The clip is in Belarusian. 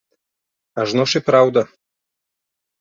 Ажно ж і праўда.